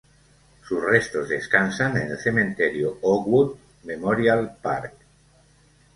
Sus restos descansan en el Cementerio Oakwood Memorial Park.